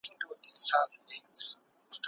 د فکري